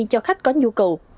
cho khách có nhu cầu